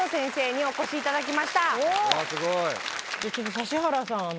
指原さんの。